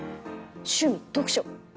趣味読書。